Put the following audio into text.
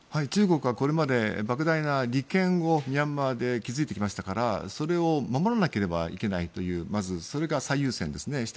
中国はこれまでばく大な利権をミャンマーで築いてきましたからそれを守らなければいけないというまず、それが最優先ですね。